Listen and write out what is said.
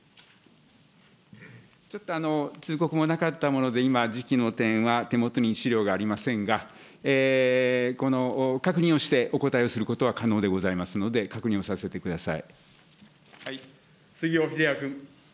ちょっと通告もなかったもので、今、時期の点は、手元に資料がありませんが、確認をしてお答えをすることは可能でございますので、確認をさせ杉尾秀哉君。